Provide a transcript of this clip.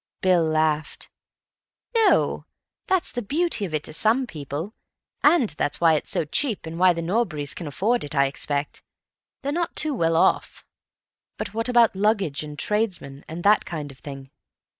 Bill laughed. "No; that's the beauty of it to some people. And that's why it's so cheap, and why the Norburys can afford it, I expect. They're not too well off." "But what about luggage and tradesmen and that kind of thing?"